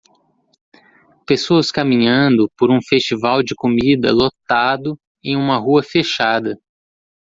Pessoas caminhando por um festival de comida lotado em uma rua fechada